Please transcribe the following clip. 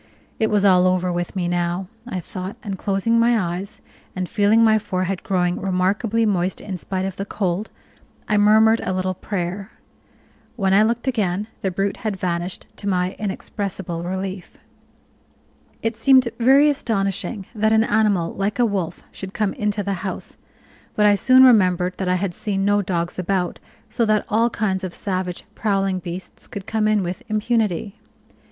It was all over with me now, I thought, and closing my eyes, and feeling my forehead growing remarkably moist in spite of the cold, I murmured a little prayer. When I looked again the brute had vanished, to my inexpressible relief. It seemed very astonishing that an animal like a wolf should come into the house; but I soon remembered that I had seen no dogs about, so that all kinds of savage, prowling beasts could come in with impunity.